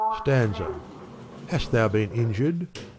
287 Sfanza, Hast thou been injured?